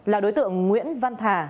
là đối tượng nguyễn văn thà